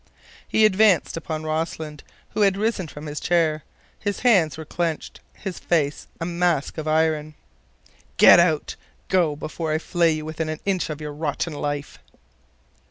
He advanced upon Rossland, who had risen from his chair; his hands were clenched, his face a mask of iron. "Get out! Go before I flay you within an inch of your rotten life!"